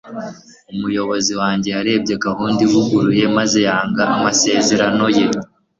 umuyobozi wanjye yarebye gahunda ivuguruye maze yanga amasezerano ye